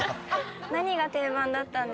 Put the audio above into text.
何が定番だったんですか？